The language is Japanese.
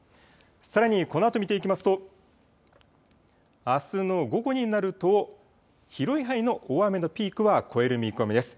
さらにこのあと見ていきますとあすの午後になると広い範囲の大雨のピークは越える見込みです。